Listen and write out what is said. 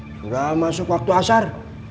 sudah masuk waktu asar